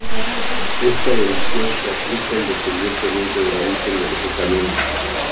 Esta deducción se aplica independientemente del origen del etanol.